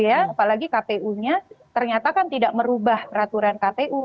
apalagi kpu nya ternyata kan tidak merubah peraturan kpu